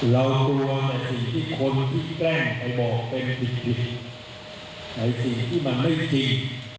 เรากลัวสิ่งที่คนที่แกล้งไปบอกไปในวิธีในสิ่งที่มันไม่จริง